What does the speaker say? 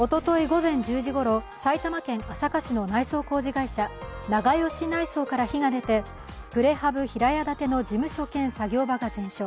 午前１０時ごろ埼玉県朝霞市の内装工事会社、長葭内装から火が出てプレハブ平屋建ての事務所兼作業場が全焼。